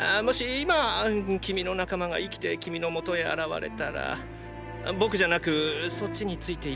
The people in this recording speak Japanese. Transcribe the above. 今君の仲間が生きて君の元へ現れたら僕じゃなくそっちについて行くの？